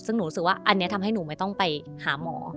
ซึ่งหนูรู้สึกว่าอันนี้ทำให้หนูไม่ต้องไปหาหมอ